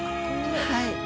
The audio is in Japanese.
はい。